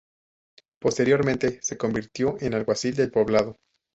Posteriormente se convirtió en alguacil del poblado.